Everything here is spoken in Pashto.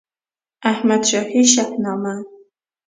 احمدشاهي شهنامه